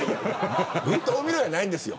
ネットを見ろやないんですよ。